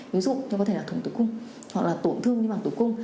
ví dụ như có thể là thùng tử cung hoặc là tổn thương như bằng tử cung